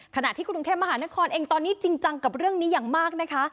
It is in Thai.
ขณะที่กรุงเทพมหานครเองตอนนี้จริงจังกับเรื่องนี้อย่างมากนะคะ